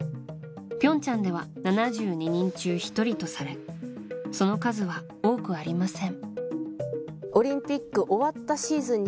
平昌では７２人中１人とされその数は多くありません。